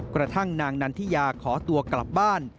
กระทั่งนางนันทิยาขอตัวกลับบ้าน